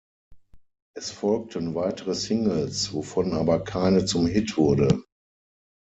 Es folgten weitere Singles, wovon aber keine zum Hit wurde.